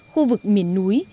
khu vực miền núi